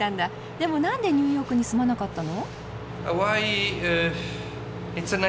でも何でニューヨークに住まなかったの？